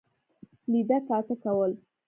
لیده کاته کول.